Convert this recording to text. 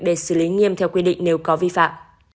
để xử lý nghiêm theo quy định nếu có vi phạm